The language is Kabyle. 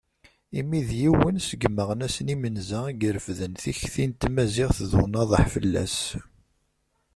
Imi d yiwen seg yimeɣnasen imenza i irefden tikti n tmaziɣt d unaḍaḥ fell-as.